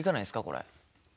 これ。